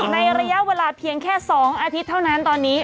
ในระยะเวลาเพียงแค่๒อาทิตย์เท่านั้นตอนนี้